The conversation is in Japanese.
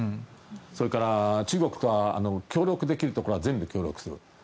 それから、中国とは協力できるところは全部協力する。